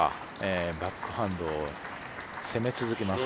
バックハンドで攻め続けます